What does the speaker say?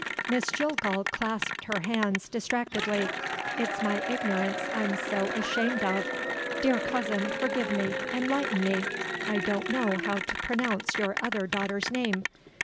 Miss Jillgall clasped her hands distractedly. "It's my ignorance I'm so ashamed of. Dear cousin, forgive me, enlighten me. I don't know how to pronounce your other daughter's name.